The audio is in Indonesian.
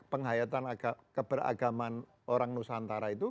penghayatan keberagaman orang nusantara itu